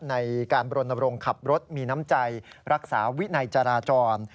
ในการบรณรงค์ขับรถมีน้ำใจรักษาวินัยจราจร